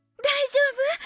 大丈夫？